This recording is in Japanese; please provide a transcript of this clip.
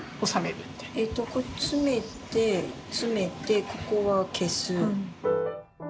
詰めて詰めてここは消す。